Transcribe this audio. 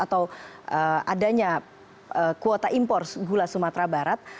atau adanya kuota impor gula sumatera barat